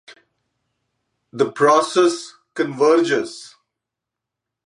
The process converges.